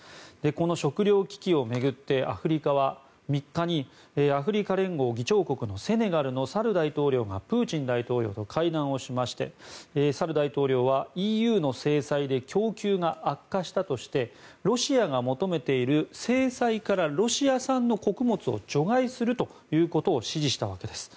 この食糧危機を巡ってアフリカは３日にアフリカ連合議長国のセネガルのサル大統領がプーチン大統領と会談をしましてサル大統領はＥＵの制裁で供給が悪化したとしてロシアが求めている制裁からロシア産の穀物を除外するということを支持したわけです。